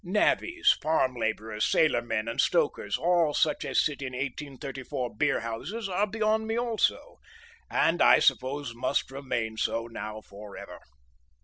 Navvies, farm labourers, sailormen and stokers, all such as sit in 1834 beer houses, are beyond me also, and I suppose must remain so now for ever.